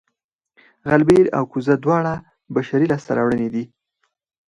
غلبېل او کوزه دواړه بشري لاسته راوړنې دي